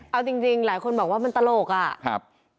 เอาจริงหลายคนบอกว่ามันตลกอ่ะครับ